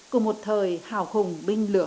cùng một thời hào hùng binh lửa